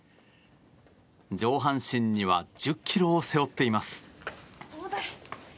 上半身には１０ｋｇを背負っています。